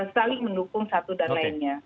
saling mendukung satu dan lainnya